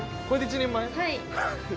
はい。